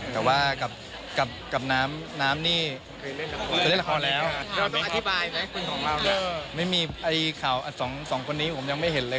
แต่ว่ากับน้ำนี่